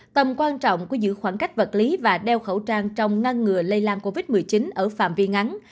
tầm quan trọng của giữ khoảng cách vật lý và đeo khẩu trang trong ngăn ngừa lây lan covid một mươi chín ở phạm vi ngắn